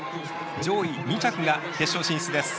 上位２着が決勝進出です。